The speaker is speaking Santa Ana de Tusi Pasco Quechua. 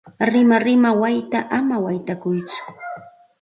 Rimarima wayta ama waytakuytsu.